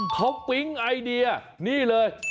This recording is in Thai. เขาปิ๊งไอเดียนี่เลย